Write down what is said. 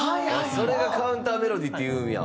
それがカウンター・メロディーっていうんや。